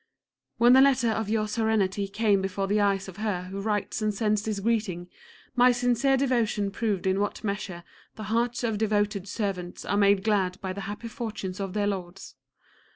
When the letter of your Serenity came before the eyes of her who writes and sends this greeting, my sincere devotion proved in what measure the hearts of devoted servants are made glad by the happy fortunes of their Lords.